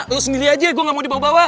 lo sendiri aja gue gak mau dibawa bawa